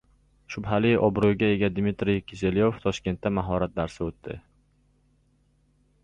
Shubhali obro‘ga ega Dmitriy Kiselyov Toshkentda mahorat darsi o‘tdi